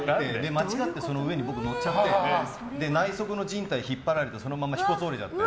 間違ってその上に僕、乗っちゃって靭帯を引っ張られてそのまま腓骨が折れちゃって。